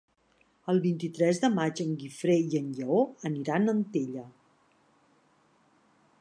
El vint-i-tres de maig en Guifré i en Lleó aniran a Antella.